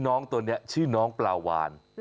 น้องตัวนี้ชื่อน้องปลาวาน